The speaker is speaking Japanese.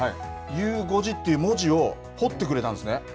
ゆう５時っていう文字を彫ってくれたんですね。